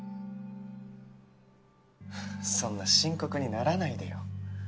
そんな深刻にならないでよ。